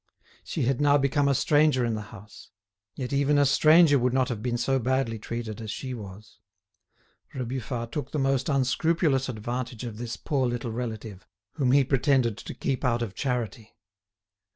She had now become a stranger in the house. Yet even a stranger would not have been so badly treated as she was. Rebufat took the most unscrupulous advantage of this poor little relative, whom he pretended to keep out of charity.